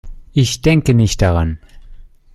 Ich denke nicht daran.